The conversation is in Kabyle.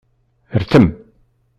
Rtem.